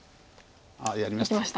やりました。